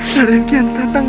sekarang kian satang